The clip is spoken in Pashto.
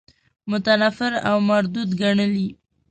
متنفر او مردود ګڼلی.